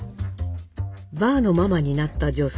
「バーのママになった女性。